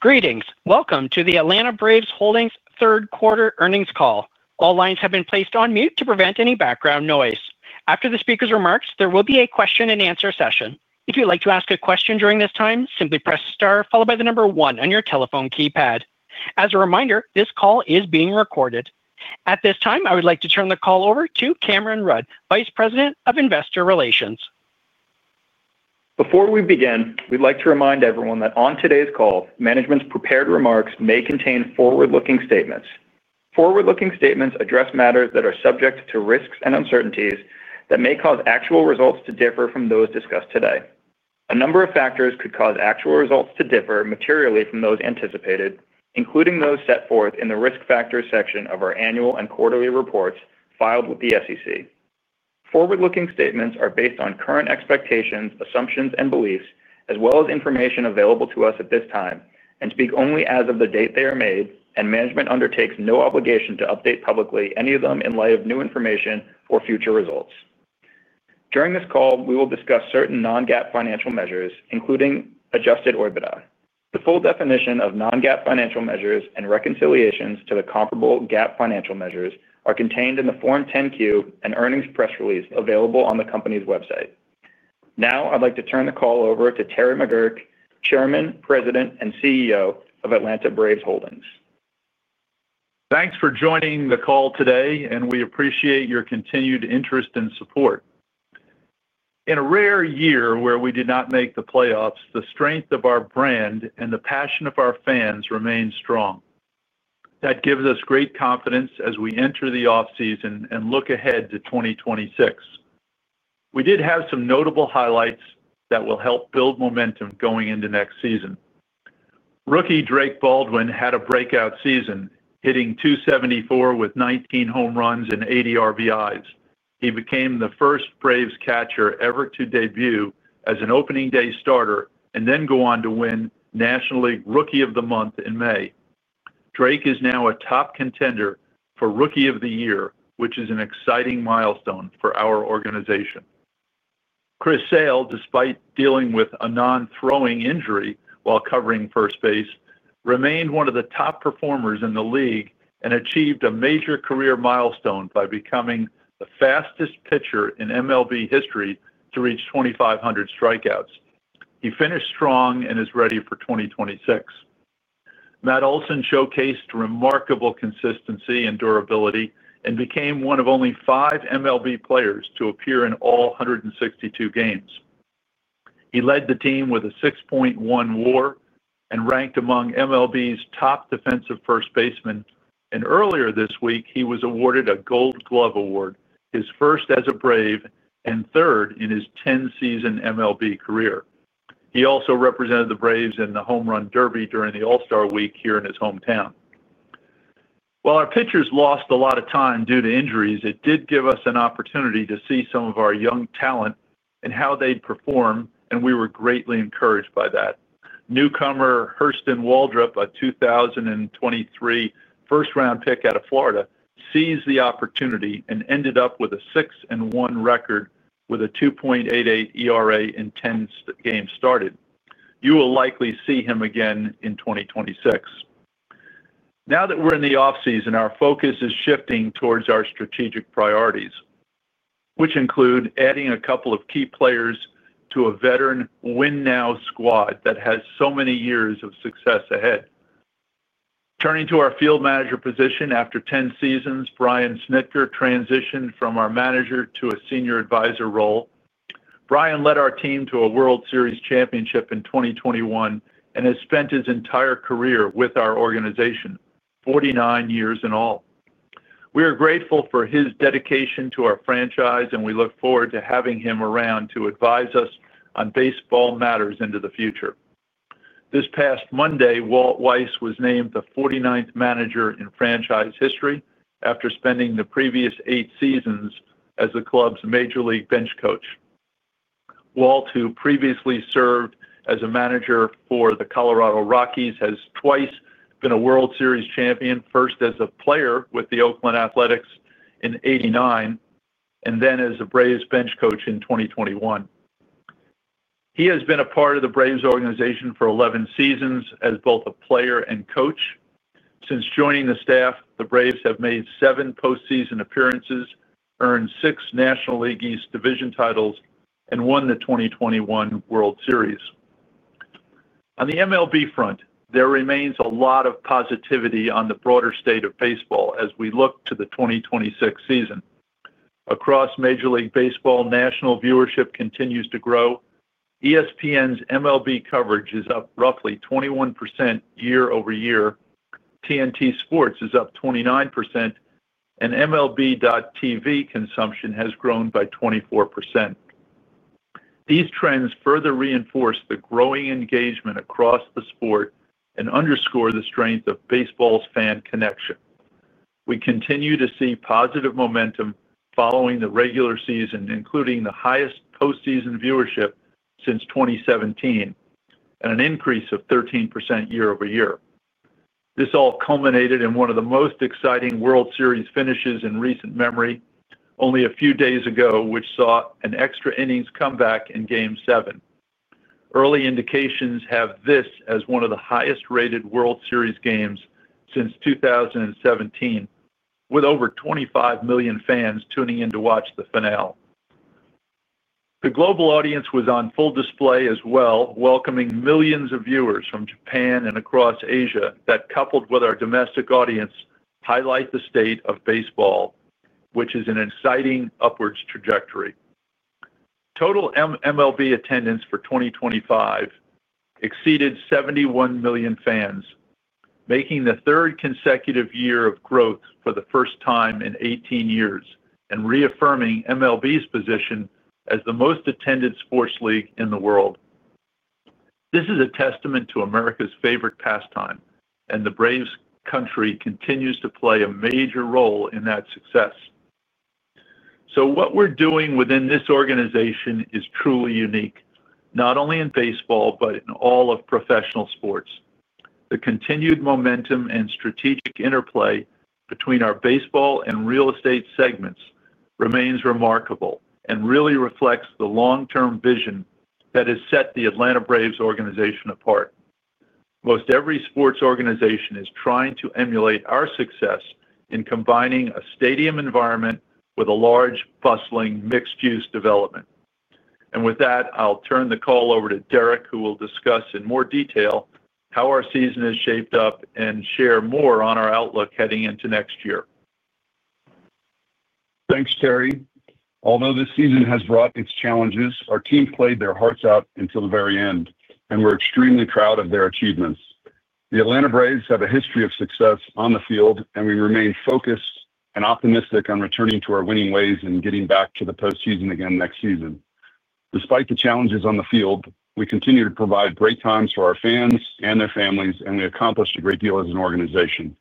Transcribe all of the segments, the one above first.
Greetings. Welcome to the Atlanta Braves Holdings third-quarter earnings call. All lines have been placed on mute to prevent any background noise. After the speaker's remarks, there will be a question-and-answer session. If you'd like to ask a question during this time, simply press star followed by the number one on your telephone keypad. As a reminder, this call is being recorded. At this time, I would like to turn the call over to Cameron Rudd, Vice President of Investor Relations. Before we begin, we'd like to remind everyone that on today's call, management's prepared remarks may contain forward-looking statements. Forward-looking statements address matters that are subject to risks and uncertainties that may cause actual results to differ from those discussed today. A number of factors could cause actual results to differ materially from those anticipated, including those set forth in the risk factors section of our annual and quarterly reports filed with the SEC. Forward-looking statements are based on current expectations, assumptions, and beliefs, as well as information available to us at this time, and speak only as of the date they are made, and management undertakes no obligation to update publicly any of them in light of new information or future results. During this call, we will discuss certain non-GAAP financial measures, including adjusted EBITDA. The full definition of non-GAAP financial measures and reconciliations to the comparable GAAP financial measures are contained in the Form 10-Q and earnings press release available on the company's website. Now, I'd like to turn the call over to Terry McGuirk, Chairman, President, and CEO of Atlanta Braves Holdings. Thanks for joining the call today, and we appreciate your continued interest and support. In a rare year where we did not make the playoffs, the strength of our brand and the passion of our fans remains strong. That gives us great confidence as we enter the off-season and look ahead to 2026. We did have some notable highlights that will help build momentum going into next season. Rookie Drake Baldwin had a breakout season, hitting .274 with 19 home runs and 80 RBIs. He became the first Braves catcher ever to debut as an opening-day starter and then go on to win National League Rookie of the Month in May. Drake is now a top contender for Rookie of the Year, which is an exciting milestone for our organization. Chris Sale, despite dealing with a non-throwing injury while covering first base, remained one of the top performers in the league and achieved a major career milestone by becoming the fastest pitcher in MLB history to reach 2,500 strikeouts. He finished strong and is ready for 2026. Matt Olson showcased remarkable consistency and durability and became one of only five MLB players to appear in all 162 games. He led the team with a 6.1 WAR and ranked among MLB's top defensive first basemen. Earlier this week, he was awarded a Gold Glove Award, his first as a Brave, and third in his 10-season MLB career. He also represented the Braves in the Home Run Derby during the All-Star Week here in his hometown. While our pitchers lost a lot of time due to injuries, it did give us an opportunity to see some of our young talent and how they'd perform, and we were greatly encouraged by that. Newcomer Hurston Waldrep, a 2023 first-round pick out of Florida, seized the opportunity and ended up with a 6-1 record with a 2.88 ERA and 10 games started. You will likely see him again in 2026. Now that we're in the off-season, our focus is shifting towards our strategic priorities, which include adding a couple of key players to a veteran win-now squad that has so many years of success ahead. Turning to our field manager position, after 10 seasons, Brian Snitker transitioned from our manager to a Senior Advisor role. Brian led our team to a World Series Championship in 2021 and has spent his entire career with our organization, 49 years in all. We are grateful for his dedication to our franchise, and we look forward to having him around to advise us on baseball matters into the future. This past Monday, Walt Weiss was named the 49th manager in franchise history after spending the previous eight seasons as the club's Major League bench coach. Walt, who previously served as a manager for the Colorado Rockies, has twice been a World Series champion, first as a player with the Oakland Athletics in 1989. And then as a Braves bench coach in 2021. He has been a part of the Braves organization for 11 seasons as both a player and coach. Since joining the staff, the Braves have made seven postseason appearances, earned six National League East division titles, and won the 2021 World Series. On the MLB front, there remains a lot of positivity on the broader state of baseball as we look to the 2026 season. Across Major League Baseball, national viewership continues to grow. ESPN's MLB coverage is up roughly 21% year-over-year. TNT Sports is up 29%. MLB.tv consumption has grown by 24%. These trends further reinforce the growing engagement across the sport and underscore the strength of baseball's fan connection. We continue to see positive momentum following the regular season, including the highest postseason viewership since 2017 and an increase of 13% year-over-year. This all culminated in one of the most exciting World Series finishes in recent memory, only a few days ago, which saw an extra innings comeback in Game 7. Early indications have this as one of the highest-rated World Series games since 2017, with over 25 million fans tuning in to watch the finale. The global audience was on full display as well, welcoming millions of viewers from Japan and across Asia that, coupled with our domestic audience, highlight the state of baseball, which is an exciting upwards trajectory. Total MLB attendance for 2025 exceeded 71 million fans, making the third consecutive year of growth for the first time in 18 years and reaffirming MLB's position as the most attended sports league in the world. This is a testament to America's favorite pastime, and the Braves' country continues to play a major role in that success. What we're doing within this organization is truly unique, not only in baseball but in all of professional sports. The continued momentum and strategic interplay between our baseball and real estate segments remains remarkable and really reflects the long-term vision that has set the Atlanta Braves organization apart. Most every sports organization is trying to emulate our success in combining a stadium environment with a large, bustling mixed-use development. With that, I'll turn the call over to Derek, who will discuss in more detail how our season has shaped up and share more on our outlook heading into next year. Thanks, Terry. Although this season has brought its challenges, our team played their hearts out until the very end, and we're extremely proud of their achievements. The Atlanta Braves have a history of success on the field, and we remain focused and optimistic on returning to our winning ways and getting back to the postseason again next season. Despite the challenges on the field, we continue to provide great times for our fans and their families, and we accomplished a great deal as an organization.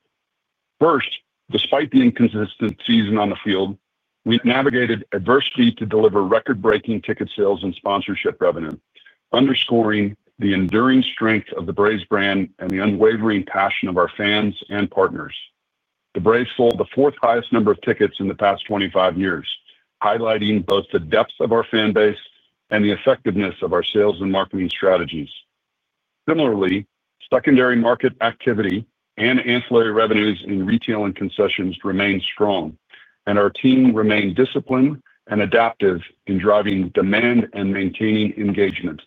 First, despite the inconsistent season on the field, we navigated adversity to deliver record-breaking ticket sales and sponsorship revenue, underscoring the enduring strength of the Braves brand and the unwavering passion of our fans and partners. The Braves sold the fourth-highest number of tickets in the past 25 years, highlighting both the depth of our fan base and the effectiveness of our sales and marketing strategies. Similarly, secondary market activity and ancillary revenues in retail and concessions remained strong, and our team remained disciplined and adaptive in driving demand and maintaining engagement.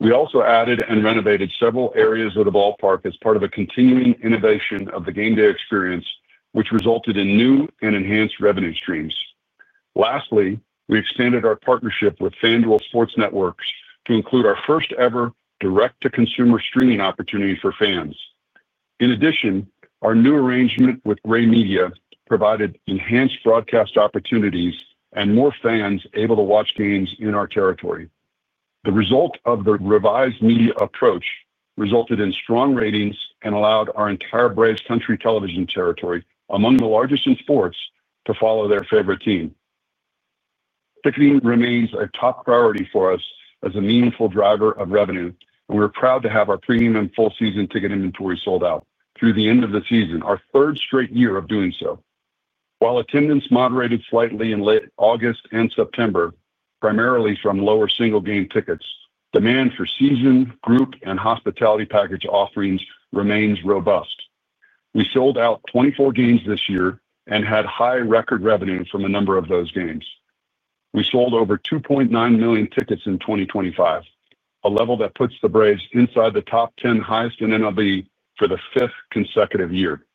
We also added and renovated several areas of the ballpark as part of a continuing innovation of the game day experience, which resulted in new and enhanced revenue streams. Lastly, we expanded our partnership with FanDuel Sports Networks to include our first-ever direct-to-consumer streaming opportunity for fans. In addition, our new arrangement with Gray Media provided enhanced broadcast opportunities and more fans able to watch games in our territory. The result of the revised media approach resulted in strong ratings and allowed our entire Braves Country television territory, among the largest in sports, to follow their favorite team. Ticketing remains a top priority for us as a meaningful driver of revenue, and we're proud to have our premium full-season ticket inventory sold out through the end of the season, our third straight year of doing so. While attendance moderated slightly in late August and September, primarily from lower single-game tickets, demand for season, group, and hospitality package offerings remains robust. We sold out 24 games this year and had high record revenue from a number of those games. We sold over 2.9 million tickets in 2025, a level that puts the Braves inside the top 10 highest in MLB for the fifth consecutive year.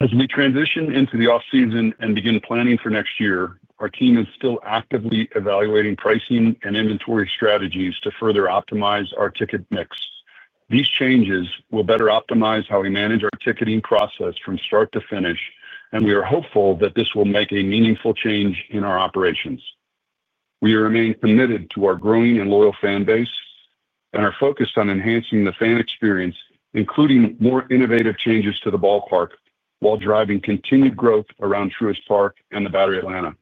As we transition into the off-season and begin planning for next year, our team is still actively evaluating pricing and inventory strategies to further optimize our ticket mix. These changes will better optimize how we manage our ticketing process from start to finish, and we are hopeful that this will make a meaningful change in our operations. We remain committed to our growing and loyal fan base and are focused on enhancing the fan experience, including more innovative changes to the ballpark while driving continued growth around Truist Park and the Battery Atlanta.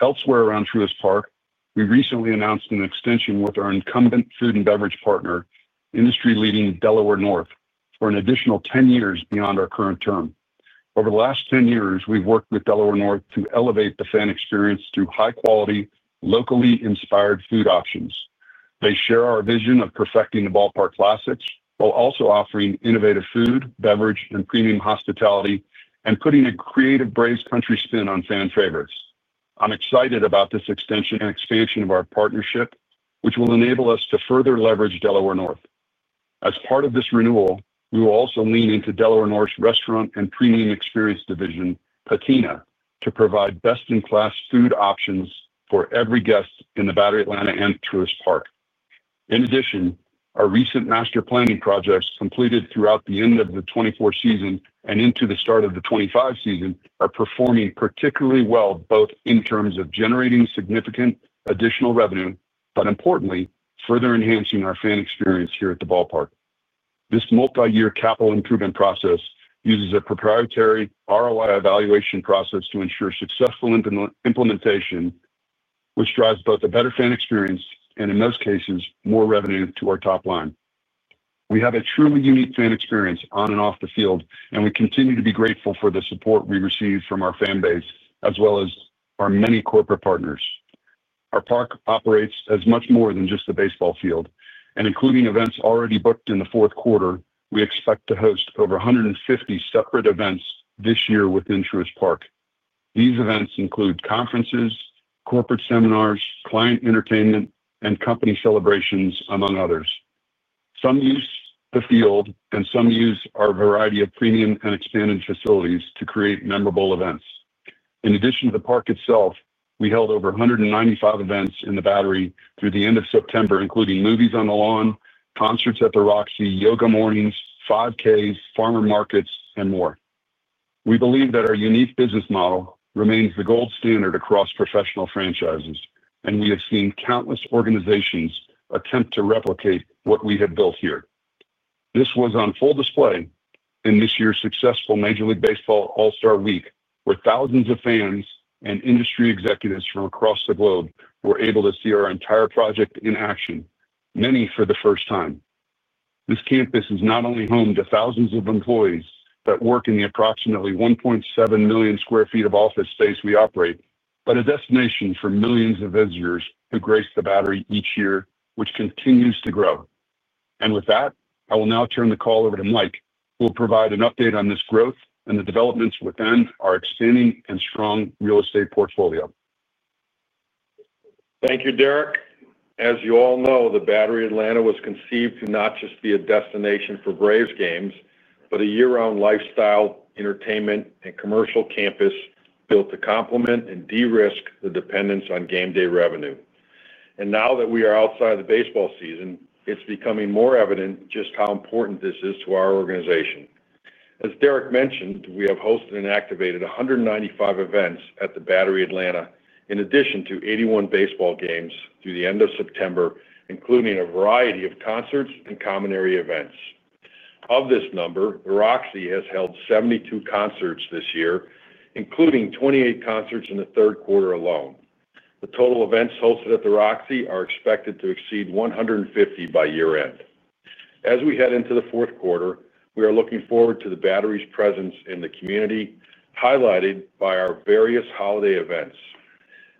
Elsewhere around Truist Park, we recently announced an extension with our incumbent food and beverage partner, industry-leading Delaware North, for an additional 10 years beyond our current term. Over the last 10 years, we've worked with Delaware North to elevate the fan experience through high-quality, locally inspired food options. They share our vision of perfecting the ballpark classics while also offering innovative food, beverage, and premium hospitality, and putting a creative Braves Country spin on fan favorites. I'm excited about this extension and expansion of our partnership, which will enable us to further leverage Delaware North. As part of this renewal, we will also lean into Delaware North's restaurant and premium experience division, Patina, to provide best-in-class food options for every guest in the Battery Atlanta and Truist Park. In addition, our recent master planning projects completed throughout the end of the 2024 season and into the start of the 2025 season are performing particularly well, both in terms of generating significant additional revenue, but importantly, further enhancing our fan experience here at the ballpark. This multi-year capital improvement process uses a proprietary ROI evaluation process to ensure successful implementation, which drives both a better fan experience and, in most cases, more revenue to our top line. We have a truly unique fan experience on and off the field, and we continue to be grateful for the support we receive from our fan base as well as our many corporate partners. Our park operates as much more than just the baseball field, and including events already booked in the fourth quarter, we expect to host over 150 separate events this year within Truist Park. These events include conferences, corporate seminars, client entertainment, and company celebrations, among others. Some use the field, and some use our variety of premium and expanded facilities to create memorable events. In addition to the park itself, we held over 195 events in the Battery through the end of September, including movies on the lawn, concerts at the Roxy, yoga mornings, 5Ks, farmer markets, and more. We believe that our unique business model remains the gold standard across professional franchises, and we have seen countless organizations attempt to replicate what we have built here. This was on full display in this year's successful Major League Baseball All-Star Week, where thousands of fans and industry executives from across the globe were able to see our entire project in action, many for the first time. This campus is not only home to thousands of employees that work in the approximately 1.7 million sq ft of office space we operate, but a destination for millions of visitors who grace the Battery each year, which continues to grow. With that, I will now turn the call over to Mike, who will provide an update on this growth and the developments within our expanding and strong real estate portfolio. Thank you, Derek. As you all know, the Battery Atlanta was conceived to not just be a destination for Braves games, but a year-round lifestyle, entertainment, and commercial campus built to complement and de-risk the dependence on game day revenue. Now that we are outside of the baseball season, it's becoming more evident just how important this is to our organization. As Derek mentioned, we have hosted and activated 195 events at the Battery Atlanta, in addition to 81 baseball games through the end of September, including a variety of concerts and commentary events. Of this number, the Roxy has held 72 concerts this year, including 28 concerts in the third quarter alone. The total events hosted at the Roxy are expected to exceed 150 by year-end. As we head into the fourth quarter, we are looking forward to the Battery's presence in the community, highlighted by our various holiday events.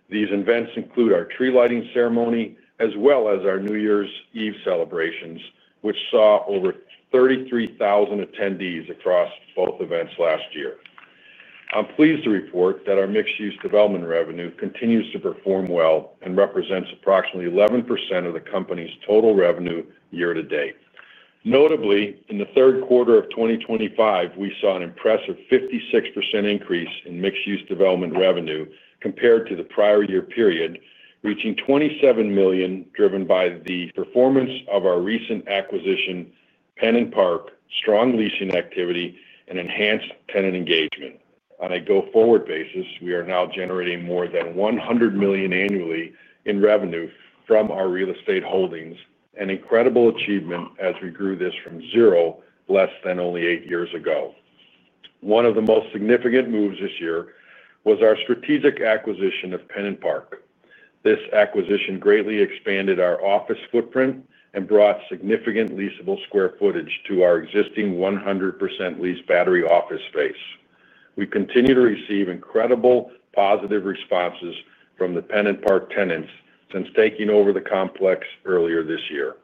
These events include our tree-lighting ceremony as well as our New Year's Eve celebrations, which saw over 33,000 attendees across both events last year. I'm pleased to report that our mixed-use development revenue continues to perform well and represents approximately 11% of the company's total revenue year to date. Notably, in the third quarter of 2025, we saw an impressive 56% increase in mixed-use development revenue compared to the prior year period, reaching $27 million, driven by the performance of our recent acquisition, PennantPark, strong leasing activity, and enhanced tenant engagement. On a go-forward basis, we are now generating more than $100 million annually in revenue from our real estate holdings, an incredible achievement as we grew this from zero to less than only eight years ago. One of the most significant moves this year was our strategic acquisition of PennantPark. This acquisition greatly expanded our office footprint and brought significant leasable square footage to our existing 100% leased Battery office space. We continue to receive incredible positive responses from the PennantPark tenants since taking over the complex earlier this year.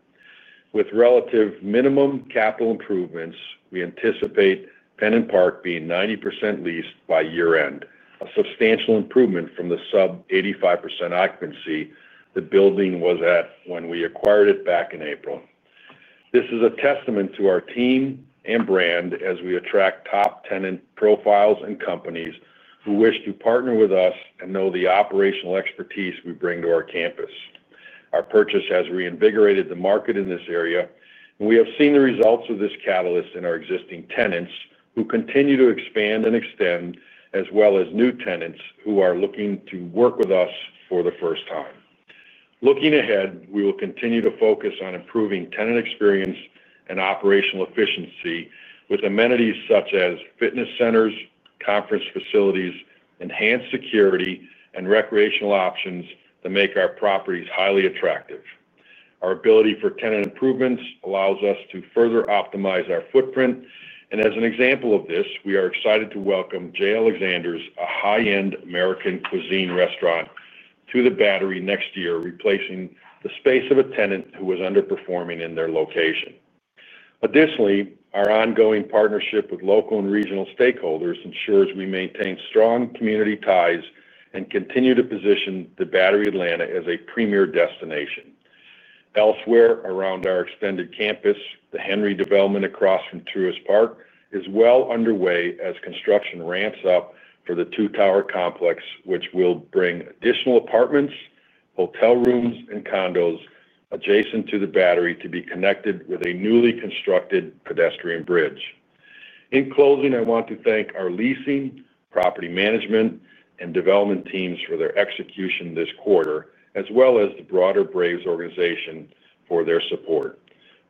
With relative minimum capital improvements, we anticipate PennantPark being 90% leased by year-end, a substantial improvement from the sub-85% occupancy the building was at when we acquired it back in April. This is a testament to our team and brand as we attract top tenant profiles and companies who wish to partner with us and know the operational expertise we bring to our campus. Our purchase has reinvigorated the market in this area, and we have seen the results of this catalyst in our existing tenants, who continue to expand and extend, as well as new tenants who are looking to work with us for the first time. Looking ahead, we will continue to focus on improving tenant experience and operational efficiency with amenities such as fitness centers, conference facilities, enhanced security, and recreational options that make our properties highly attractive. Our ability for tenant improvements allows us to further optimize our footprint, and as an example of this, we are excited to welcome J. Alexander's, a high-end American cuisine restaurant, to the Battery next year, replacing the space of a tenant who was underperforming in their location. Additionally, our ongoing partnership with local and regional stakeholders ensures we maintain strong community ties and continue to position the Battery Atlanta as a premier destination. Elsewhere around our extended campus, the Henry development across from Truist Park is well underway as construction ramps up for the two-tower complex, which will bring additional apartments, hotel rooms, and condos adjacent to the Battery to be connected with a newly constructed pedestrian bridge. In closing, I want to thank our leasing, property management, and development teams for their execution this quarter, as well as the broader Braves organization for their support.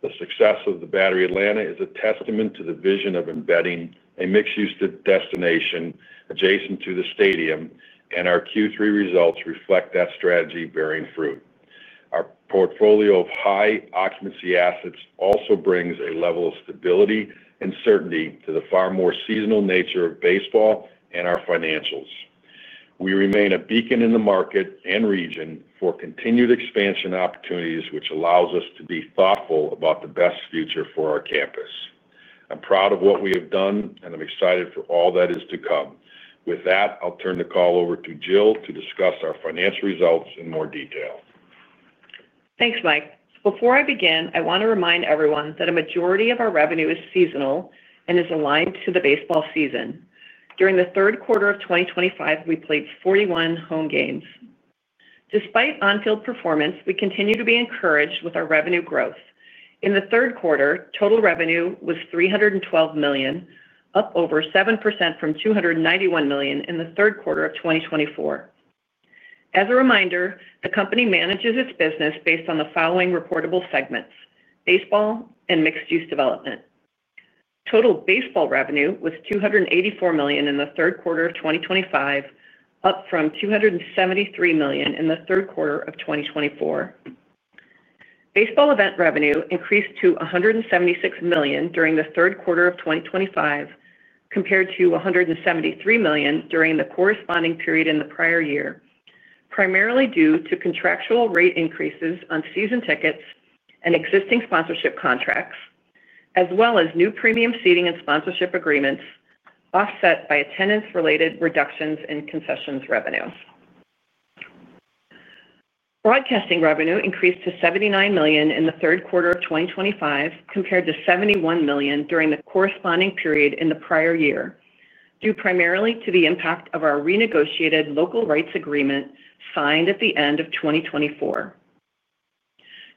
The success of the Battery Atlanta is a testament to the vision of embedding a mixed-use destination adjacent to the stadium, and our Q3 results reflect that strategy bearing fruit. Our portfolio of high-occupancy assets also brings a level of stability and certainty to the far more seasonal nature of baseball and our financials. We remain a beacon in the market and region for continued expansion opportunities, which allows us to be thoughtful about the best future for our campus. I'm proud of what we have done, and I'm excited for all that is to come. With that, I'll turn the call over to Jill to discuss our financial results in more detail. Thanks, Mike. Before I begin, I want to remind everyone that a majority of our revenue is seasonal and is aligned to the baseball season. During the third quarter of 2025, we played 41 home games. Despite on-field performance, we continue to be encouraged with our revenue growth. In the third quarter, total revenue was $312 million, up over 7% from $291 million in the third quarter of 2024. As a reminder, the company manages its business based on the following reportable segments: baseball and mixed-use development. Total baseball revenue was $284 million in the third quarter of 2025, up from $273 million in the third quarter of 2024. Baseball event revenue increased to $176 million during the third quarter of 2025, compared to $173 million during the corresponding period in the prior year, primarily due to contractual rate increases on season tickets and existing sponsorship contracts, as well as new premium seating and sponsorship agreements offset by attendance-related reductions in concessions revenue. Broadcasting revenue increased to $79 million in the third quarter of 2025, compared to $71 million during the corresponding period in the prior year, due primarily to the impact of our renegotiated local rights agreement signed at the end of 2024.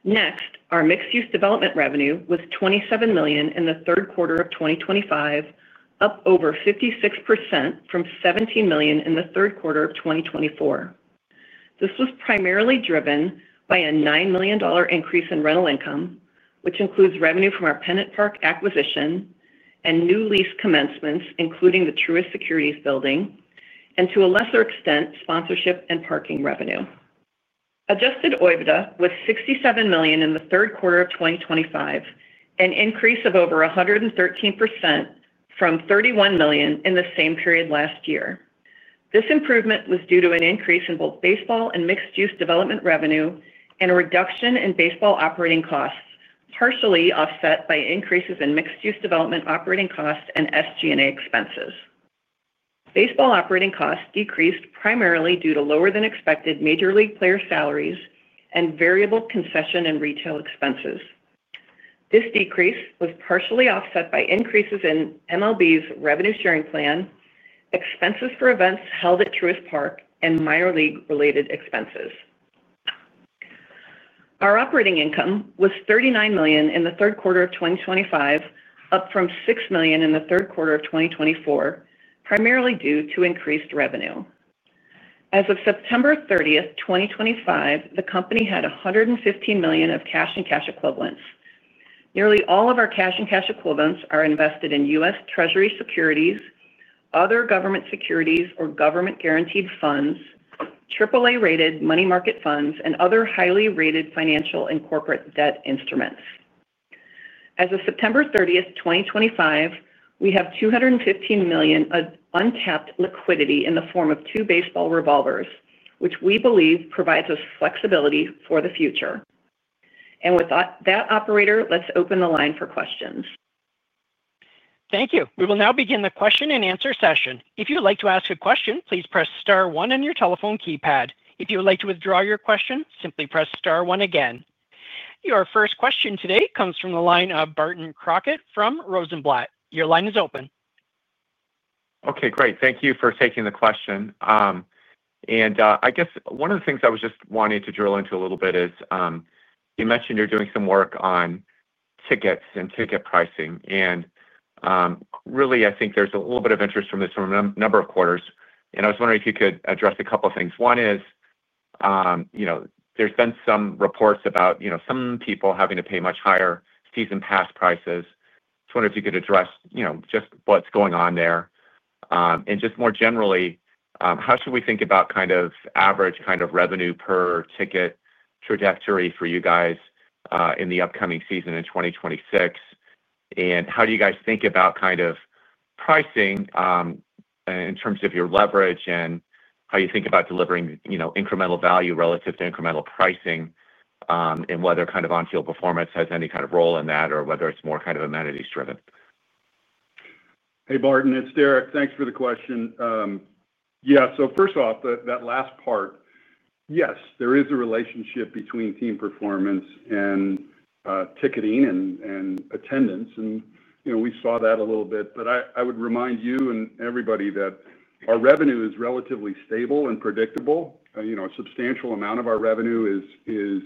Next, our mixed-use development revenue was $27 million in the third quarter of 2025, up over 56% from $17 million in the third quarter of 2024. This was primarily driven by a $9 million increase in rental income, which includes revenue from our PennantPark acquisition and new lease commencements, including the Truist Securities Building, and to a lesser extent, sponsorship and parking revenue. Adjusted OIBDA was $67 million in the third quarter of 2025, an increase of over 113% from $31 million in the same period last year. This improvement was due to an increase in both baseball and mixed-use development revenue and a reduction in baseball operating costs, partially offset by increases in mixed-use development operating costs and SG&A expenses. Baseball operating costs decreased primarily due to lower-than-expected Major League player salaries and variable concession and retail expenses. This decrease was partially offset by increases in MLB's revenue-sharing plan. Expenses for events held at Truist Park and minor league-related expenses. Our operating income was $39 million in the third quarter of 2025, up from $6 million in the third quarter of 2024, primarily due to increased revenue. As of September 30, 2025, the company had $115 million of cash and cash equivalents. Nearly all of our cash and cash equivalents are invested in U.S. Treasury securities, other government securities or government-guaranteed funds, AAA-rated money market funds, and other highly rated financial and corporate debt instruments. As of September 30, 2025, we have $215 million of untapped liquidity in the form of two baseball revolvers, which we believe provides us flexibility for the future. With that, operator, let's open the line for questions. Thank you. We will now begin the question-and-answer session. If you'd like to ask a question, please press star one on your telephone keypad. If you would like to withdraw your question, simply press star one again. Your first question today comes from the line of Barton Crockett from Rosenblatt. Your line is open. Okay, great. Thank you for taking the question. I guess one of the things I was just wanting to drill into a little bit is, you mentioned you're doing some work on tickets and ticket pricing. Really, I think there's a little bit of interest from this from a number of quarters. I was wondering if you could address a couple of things. One is, there's been some reports about some people having to pay much higher season pass prices. I was wondering if you could address just what's going on there. Just more generally, how should we think about kind of average kind of revenue per ticket trajectory for you guys in the upcoming season in 2026? How do you guys think about kind of pricing in terms of your leverage and how you think about delivering incremental value relative to incremental pricing. Whether kind of on-field performance has any kind of role in that, or whether it's more kind of amenities-driven? Hey, Barton. It's Derek. Thanks for the question. Yeah, so first off, that last part. Yes, there is a relationship between team performance and ticketing and attendance. And we saw that a little bit. I would remind you and everybody that our revenue is relatively stable and predictable. A substantial amount of our revenue is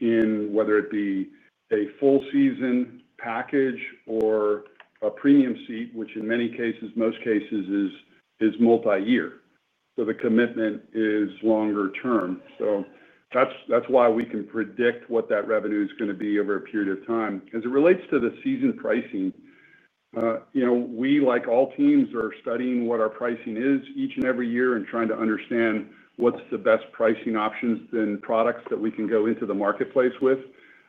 in, whether it be a full-season package or a premium seat, which in many cases, most cases, is multi-year. The commitment is longer-term. That's why we can predict what that revenue is going to be over a period of time. As it relates to the season pricing, we, like all teams, are studying what our pricing is each and every year and trying to understand what's the best pricing options and products that we can go into the marketplace with.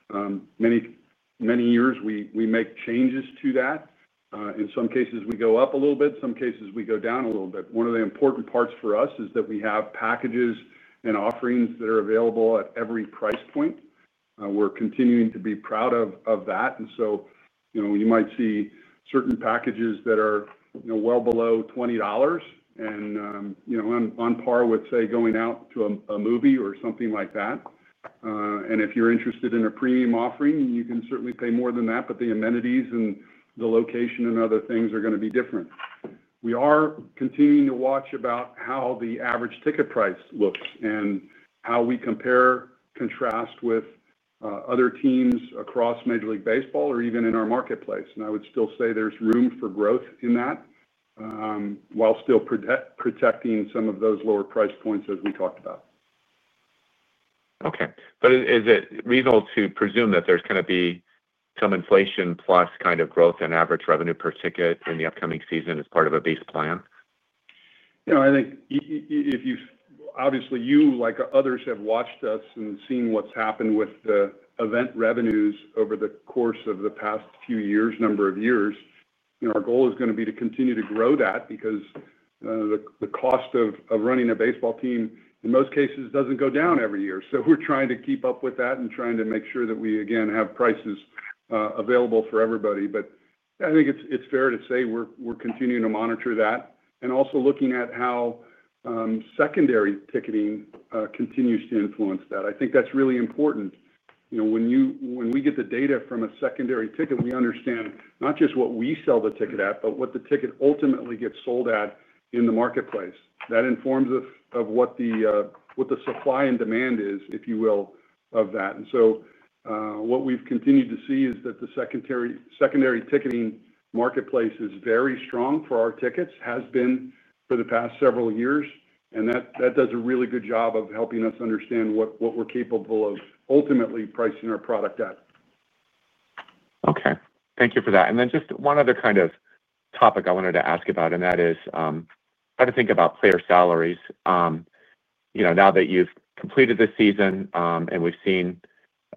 Many years, we make changes to that. In some cases, we go up a little bit. In some cases, we go down a little bit. One of the important parts for us is that we have packages and offerings that are available at every price point. We are continuing to be proud of that. You might see certain packages that are well below $20, on par with, say, going out to a movie or something like that. If you are interested in a premium offering, you can certainly pay more than that, but the amenities and the location and other things are going to be different. We are continuing to watch about how the average ticket price looks and how we compare, contrast with other teams across Major League Baseball or even in our marketplace. I would still say there is room for growth in that. While still protecting some of those lower price points, as we talked about. Okay. Is it reasonable to presume that there's going to be some inflation plus kind of growth in average revenue per ticket in the upcoming season as part of a base plan? I think. Obviously, you, like others, have watched us and seen what's happened with the event revenues over the course of the past few years, number of years. Our goal is going to be to continue to grow that because. The cost of running a baseball team, in most cases, doesn't go down every year. We are trying to keep up with that and trying to make sure that we, again, have prices available for everybody. I think it's fair to say we are continuing to monitor that and also looking at how. Secondary ticketing continues to influence that. I think that's really important. When we get the data from a secondary ticket, we understand not just what we sell the ticket at, but what the ticket ultimately gets sold at in the marketplace. That informs us of what the. Supply and demand is, if you will, of that. What we've continued to see is that the secondary ticketing marketplace is very strong for our tickets, has been for the past several years, and that does a really good job of helping us understand what we're capable of ultimately pricing our product at. Okay. Thank you for that. Just one other kind of topic I wanted to ask about, and that is how to think about player salaries.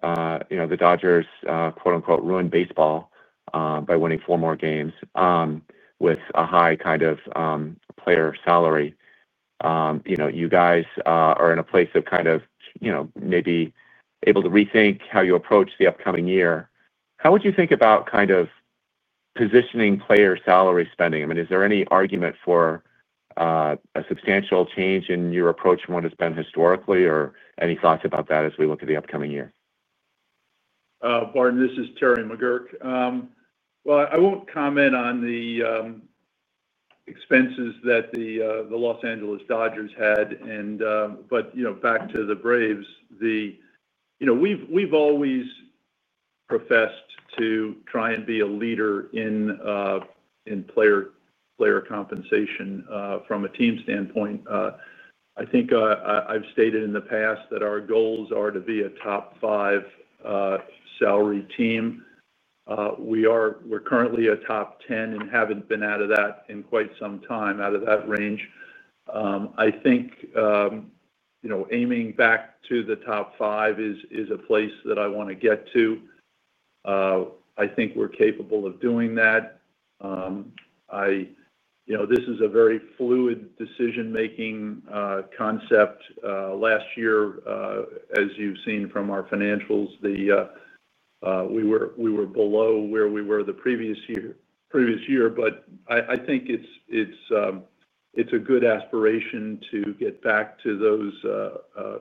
Now that you've completed the season and we've seen the Dodgers "ruin baseball" by winning four more games with a high kind of player salary, you guys are in a place of kind of maybe able to rethink how you approach the upcoming year. How would you think about kind of positioning player salary spending? I mean, is there any argument for a substantial change in your approach from what it's been historically or any thoughts about that as we look at the upcoming year? Barton, this is Terry McGuirk. I won't comment on the expenses that the Los Angeles Dodgers had. Back to the Braves, we've always professed to try and be a leader in player compensation from a team standpoint. I think I've stated in the past that our goals are to be a top five salary team. We're currently a top 10 and haven't been out of that in quite some time, out of that range. I think aiming back to the top five is a place that I want to get to. I think we're capable of doing that. This is a very fluid decision-making concept. Last year, as you've seen from our financials, we were below where we were the previous year. I think it's a good aspiration to get back to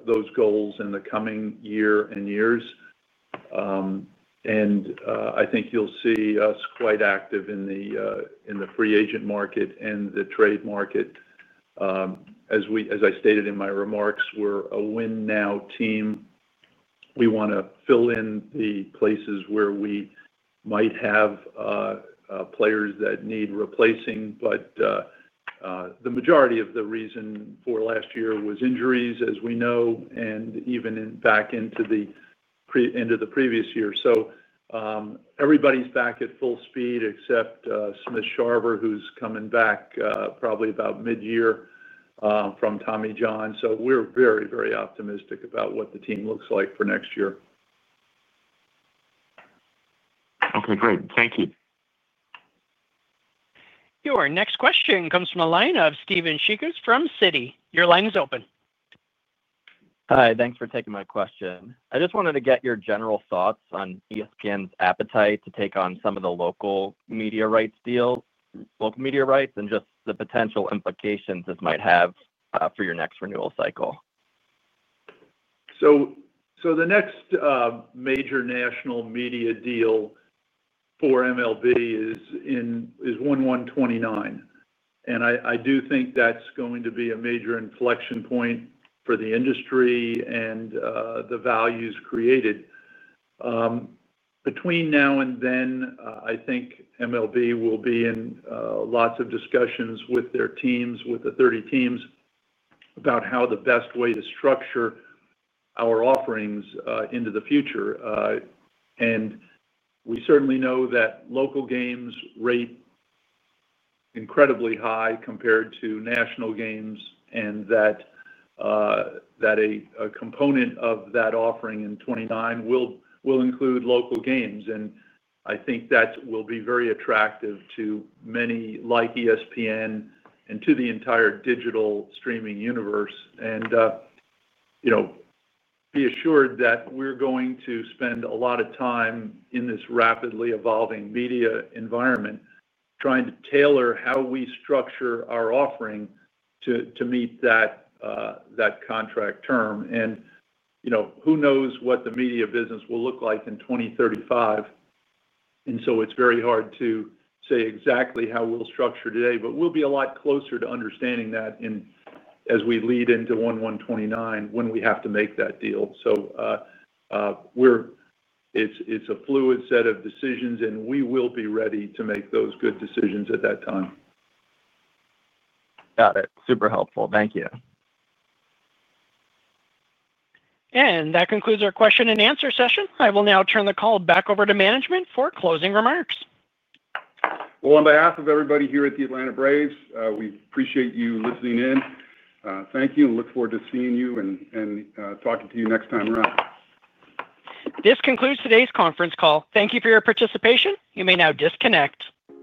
those goals in the coming year and years. I think you'll see us quite active in the free agent market and the trade market. As I stated in my remarks, we're a win-now team. We want to fill in the places where we might have players that need replacing. The majority of the reason for last year was injuries, as we know, and even back into the previous year. Everybody's back at full speed except Smith-Shawver, who's coming back probably about mid-year from Tommy John. We're very, very optimistic about what the team looks like for next year. Okay, great. Thank you. Your next question comes from a line of Steven Sheeckutz from Citi. Your line is open. Hi. Thanks for taking my question. I just wanted to get your general thoughts on ESPN's appetite to take on some of the local media rights deals, local media rights, and just the potential implications this might have for your next renewal cycle. The next major national media deal for MLB is 1-1-2029. I do think that's going to be a major inflection point for the industry and the values created. Between now and then, I think MLB will be in lots of discussions with their teams, with the 30 teams, about how the best way to structure our offerings into the future. We certainly know that local games rate incredibly high compared to national games and that a component of that offering in 2029 will include local games. I think that will be very attractive to many like ESPN and to the entire digital streaming universe. Be assured that we're going to spend a lot of time in this rapidly evolving media environment trying to tailor how we structure our offering to meet that contract term. Who knows what the media business will look like in 2035? It is very hard to say exactly how we will structure today, but we will be a lot closer to understanding that as we lead into 1-1-2029 when we have to make that deal. It is a fluid set of decisions, and we will be ready to make those good decisions at that time. Got it. Super helpful. Thank you. That concludes our question and answer session. I will now turn the call back over to management for closing remarks. On behalf of everybody here at the Atlanta Braves, we appreciate you listening in. Thank you. We look forward to seeing you and talking to you next time around. This concludes today's conference call. Thank you for your participation. You may now disconnect.